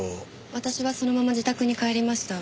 私はそのまま自宅に帰りました。